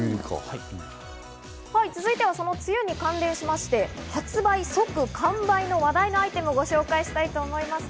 続いては、その梅雨に関連しまして、発売後、即完売の話題がアイテムをご紹介したいと思います。